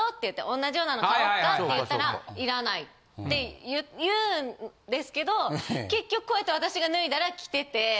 同じようなの買おっか？って言ったらいらないって言うんですけど結局こうやって私が脱いだら着てて。